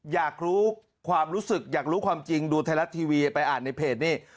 อยากรู้ความรู้สึกอยากรู้ความจริงดูไทยรัฐทีวีไปอ่านในเพจนี่